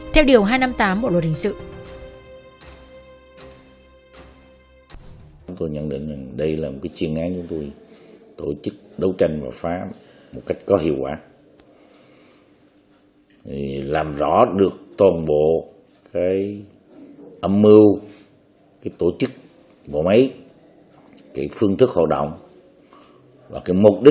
theo điều hai trăm năm mươi tám bộ luật hình sự